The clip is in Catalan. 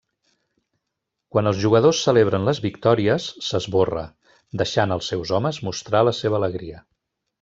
Quan els jugadors celebren les victòries, s'esborra, deixant als seus homes mostrar la seva alegria.